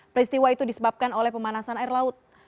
peristiwa itu disebabkan oleh pemanasan air laut